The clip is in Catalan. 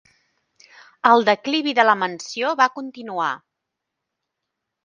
El declivi de la mansió va continuar.